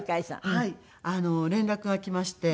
連絡が来まして。